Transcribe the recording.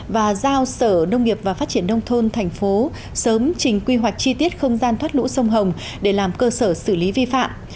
và giao sở nông nghiệp và phát triển nông thôn thành phố sớm trình quy hoạch chi tiết không gian thoát lũ sông hồng để làm cơ sở xử lý vi phạm